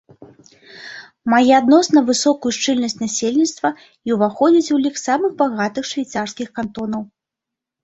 Мае адносна высокую шчыльнасць насельніцтва і ўваходзіць у лік самых багатых швейцарскіх кантонаў.